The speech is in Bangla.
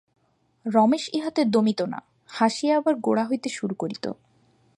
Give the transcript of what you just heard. রমেশ ইহাতে দমিত না, হাসিয়া আবার গোড়া হইতে শুরু করিত।